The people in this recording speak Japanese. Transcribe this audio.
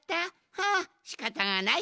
ふんしかたがない。